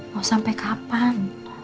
mau sampai kapan